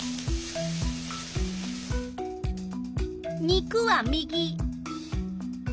肉は右。